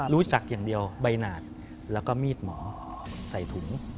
รู้จักอย่างเดียวใบหนาดแล้วก็มีดหมอใส่ถุง